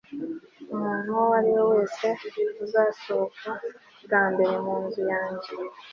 umuntu uwo ari we wese uzasohoka bwa mbere mu nzu yanjye